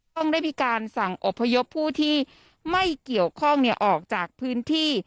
ต้องได้มีการสั่งอบพยพผู้ที่ไม่เกี่ยวข้องออกจากพื้นที่